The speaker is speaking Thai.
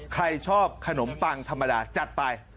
ใครชอบขนมปังธรรมดาจัดไป